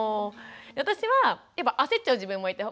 私はやっぱ焦っちゃう自分もいて。